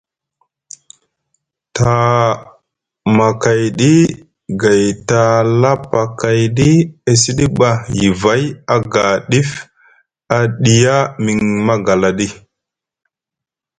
Tamakayɗi gay talapakayɗi e siɗi ɓa yivay aga ɗif a ɗiya miŋ magalaɗi.